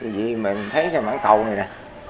vì mình thấy cây mãn cầu này nè